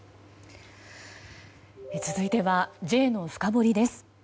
続いてはＪのフカボリです。